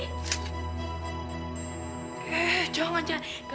eh jangan jangan